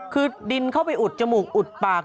คือดินเข้าไปอุดจมูกอุดปาก